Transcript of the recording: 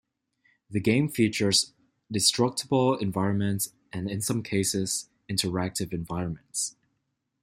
The game features destructible environments, and in some cases, interactive environments.